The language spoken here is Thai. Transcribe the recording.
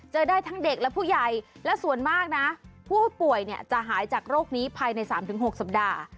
ได้ทั้งเด็กและผู้ใหญ่และส่วนมากนะผู้ป่วยจะหายจากโรคนี้ภายใน๓๖สัปดาห์